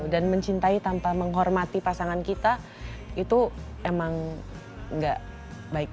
dan mencintai tanpa menghormati pasangan kita itu emang gak baik